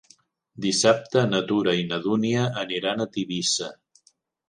Dissabte na Tura i na Dúnia aniran a Tivissa.